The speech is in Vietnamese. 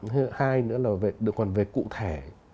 hai nữa là còn về cụ thể